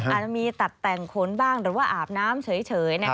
อาจจะมีตัดแต่งขนบ้างหรือว่าอาบน้ำเฉย